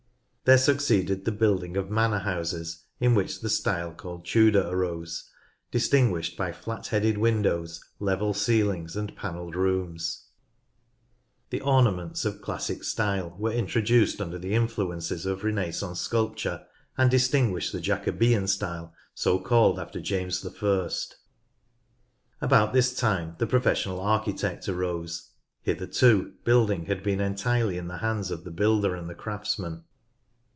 There succeeded the building of manor houses, in which the style called J" Tudor" arose — distinguished by flat headed win dows, level ceilings, and panelled rooms. The ornaments 124 NORTH LANCASHIRE of classic style were introduced under the influences of Renaissance sculpture and distinguish the "Jacobean " style, so called after James I. About this time the pro fessional architect arose. Hitherto, building had been entirely in the hands of the builder and the craftsman.